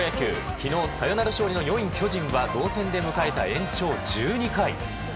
昨日、サヨナラ勝利の４位、巨人は同点で迎えた延長１２回。